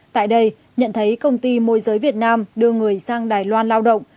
tại đây nhận thấy công ty môi giới việt nam đưa người sang đài loan lao động